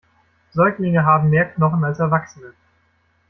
Säuglinge haben mehr Knochen als Erwachsene.